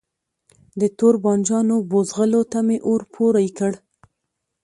د توربانجانو بوزغلو ته می اور پوری کړ